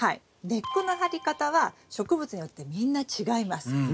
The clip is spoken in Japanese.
根っこの張り方は植物によってみんな違います。